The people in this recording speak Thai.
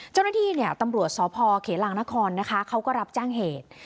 เจ้าหน้าที่เนี่ยตำรวจสพเขลางนครนะคะเขาก็รับแจ้งเหตุ